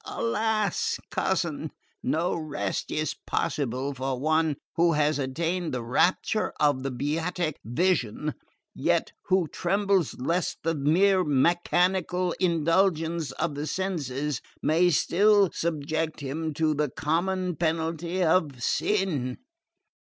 "Alas, cousin, no rest is possible for one who has attained the rapture of the Beatific Vision, yet who trembles lest the mere mechanical indulgence of the senses may still subject him to the common penalty of sin!